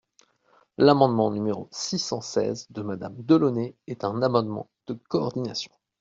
L’amendement numéro six cent seize de Madame Delaunay est un amendement de coordination.